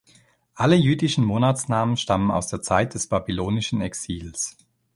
Alle jüdischen Monatsnamen stammen aus der Zeit des babylonischen Exils.